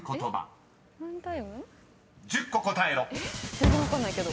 全然分かんないけど。